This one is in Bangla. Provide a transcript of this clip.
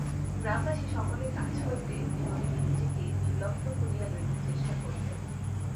গ্রামবাসী সকলের কাছ হইতে বিনোদিনী নিজেকে নির্লিপ্ত করিয়া লইতে চেষ্টা করিল।